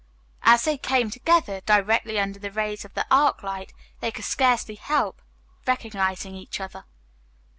As they came together directly under the rays of the arc light, they could scarcely help recognizing each other.